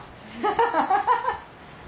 ハハハハ。